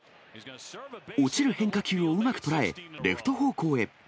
落ちる変化球をうまく捉え、レフト方向へ。